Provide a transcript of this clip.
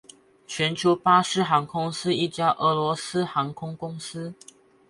全球巴士航空是一家俄罗斯航空公司。